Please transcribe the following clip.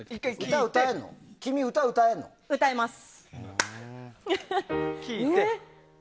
歌えます！